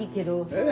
えっ？